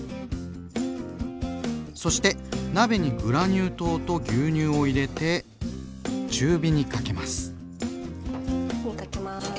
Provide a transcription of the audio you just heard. そして鍋にグラニュー糖と牛乳を入れて中火にかけます。